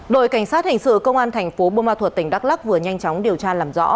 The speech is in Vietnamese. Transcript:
đội cảnh sát hình sự công an thành phố bô ma thuật tỉnh đắk lắc vừa nhanh chóng điều tra làm rõ